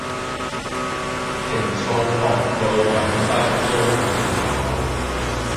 平素學到品質撈咁攪